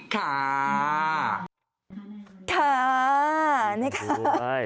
ค่ะนี่ค่ะ